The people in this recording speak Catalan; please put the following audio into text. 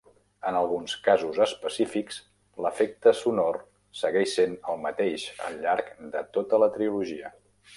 En alguns casos específics, l'efecte sonor segueix sent el mateix al llarg de tota la trilogia.